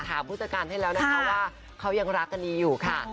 ผู้จัดการให้แล้วนะคะว่าเขายังรักกันดีอยู่ค่ะ